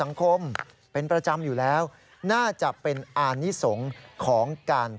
ว่าจะให้เพื่อนทำบุญเอากลับไปเฮศเพื่อน